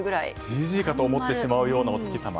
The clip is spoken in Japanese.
ＣＧかと思ってしまうようなお月様。